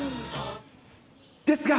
ですが。